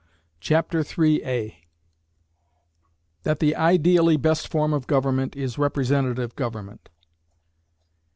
Chapter III That the ideally best Form of Government is Representative Government.